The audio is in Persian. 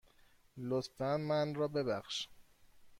لطفاً من را ببخش.